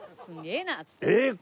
えっ！？